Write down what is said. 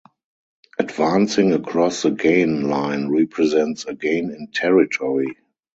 Advancing across the gain line represents a gain in territory.